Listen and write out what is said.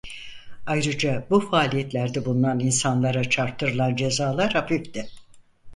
Ayrıca bu faaliyetlerde bulunan insanlara çarptırılan cezalar hafifti.